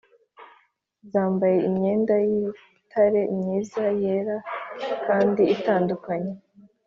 zambaye imyenda y’ibitare myiza, yera kandi itanduye.